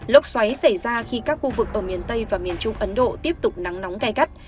lốc xoáy xảy ra khi các khu vực ở miền tây và miền trung ấn độ tiếp tục nắng nóng gai gắt